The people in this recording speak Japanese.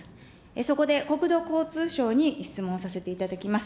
そこで国土交通省に質問させていただきます。